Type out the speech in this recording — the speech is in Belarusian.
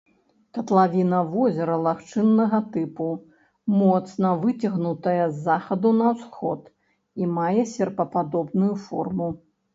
Катлавіна возера лагчыннага тыпу, моцна выцягнутая з захаду на ўсход і мае серпападобную форму.